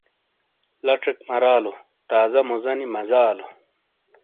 لاچیک مارالو تازہ موزانی مزہ آلو۔